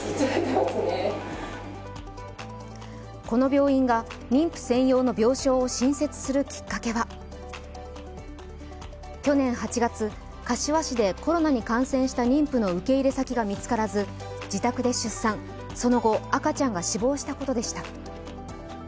この病院が妊婦専用の病床を新設するきっかけは去年８月、柏市でコロナに感染した妊婦の受け入れ先が見つからず自宅で出産、その後、赤ちゃんが死亡したことでした。